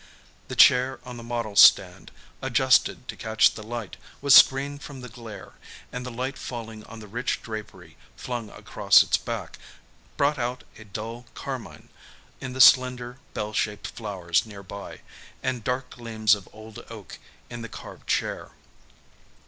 The chair on the model stand, adjusted to catch the light, was screened from the glare; and the light falling on the rich drapery flung across its back brought out a dull carmine in the slender, bell shaped flowers near by, and dark gleams of old oak in the carved chair.